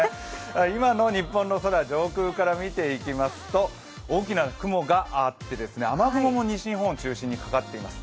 今の日本の空、上空から見ていきますと大きな雲があって雨雲も西日本を中心にかかっています。